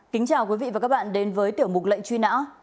kính chào quý vị và các bạn đến với tiểu mục lệnh truy nã